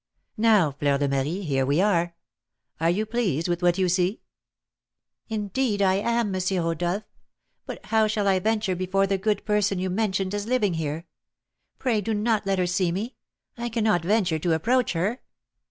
"Now, Fleur de Marie, here we are. Are you pleased with what you see?" "Indeed I am, M. Rodolph. But how shall I venture before the good person you mentioned as living here? Pray do not let her see me, I cannot venture to approach her."